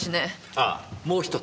ああもう１つ！